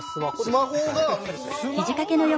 スマホが。